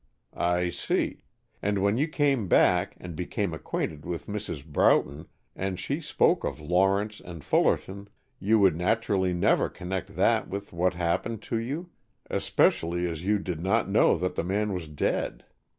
"I see. And when you came back, and became acquainted with Mrs. Broughton, and she spoke of Lawrence and Fullerton, you would naturally never connect that with what had happened to you, especially as you did not know that the man was dead.